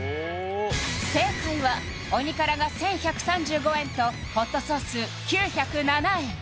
正解はおにからが１１３５円とホットソース９０７円